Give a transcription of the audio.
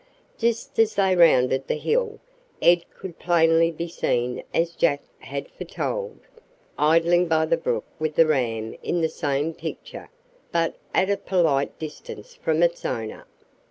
Just as they rounded the hill, Ed could plainly be seen as Jack had foretold idling by the brook with the ram in the same picture, but at a polite distance from its owner.